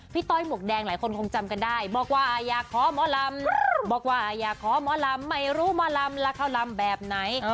ต้อยหมวกแดงหลายคนคงจำกันได้บอกว่าอยากขอหมอลำบอกว่าอยากขอหมอลำไม่รู้หมอลำแล้วเขาลำแบบไหน